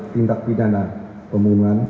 tindak pidana pembunuhan